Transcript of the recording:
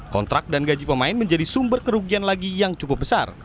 kontrak dan gaji pemain menjadi sumber kerugian lagi yang cukup besar